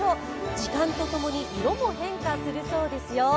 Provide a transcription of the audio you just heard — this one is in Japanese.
時間とともに色も変化するそうですよ。